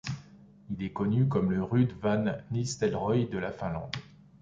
Il est connu comme le Ruud van Nistelrooy de la Finlande.